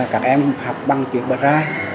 các em học bằng chữ bật ra